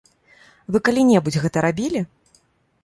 Вы калі-небудзь гэта рабілі?